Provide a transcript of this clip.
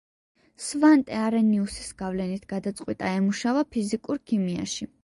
სვანტე არენიუსის გავლენით გადაწყვიტა ემუშავა ფიზიკურ ქიმიაში.